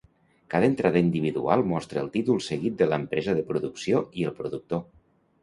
Cada entrada individual mostra el títol seguit de l'empresa de producció i el productor.